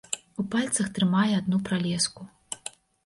У пальцах трымае адну пралеску.